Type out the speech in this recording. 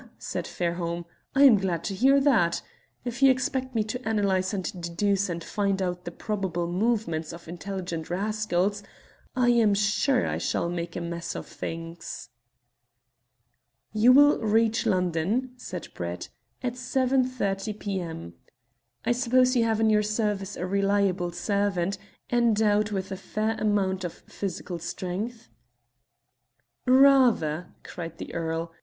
said Fairholme, "I am glad to hear that. If you expect me to analyse and deduce and find out the probable movements of intelligent rascals, I am sure I shall make a mess of things." "You will reach London," said Brett, "at 7.30 p.m. I suppose you have in your service a reliable servant, endowed with a fair amount of physical strength?" "Rather," cried the earl.